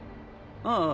ああ。